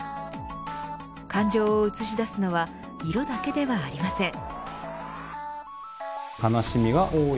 感情を映し出すのは色だけではありません。